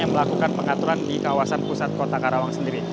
yang melakukan pengaturan di kawasan pusat kota karawang sendiri